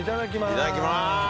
いただきまーす！